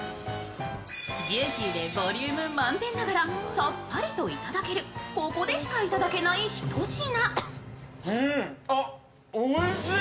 ジューシーでボリューム満点ながらさっぱりといただけるここでしかいただけないひと品。